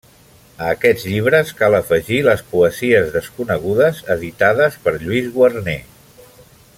A aquests llibres cal afegir les poesies desconegudes editades per Lluís Guarner.